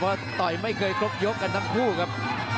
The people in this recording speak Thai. เพราะต่อยไม่เคยครบยกกันทั้งคู่ครับ